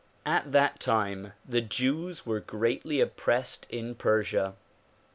At that time the Jews were greatly oppressed in Persia.